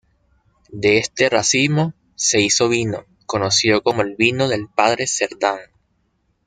De este racimo se hizo vino, conocido como el "vino del padre Cerdán".